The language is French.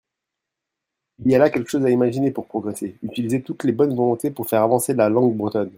Il y a là quelque chose à imaginer pour progresser : utiliser toutes les bonnes volontés pour faire avancer la langue bretonne.